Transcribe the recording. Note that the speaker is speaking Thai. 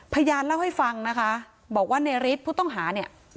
พยานเล่าให้ฟังนะคะบอกว่าในฤทธิ์ผู้ต้องหาเนี่ย